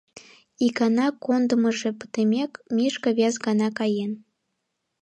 Икана кондымыжо пытымек, Мишка вес гана каен.